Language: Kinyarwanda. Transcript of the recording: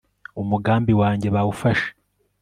umugambi wanjye bawufashe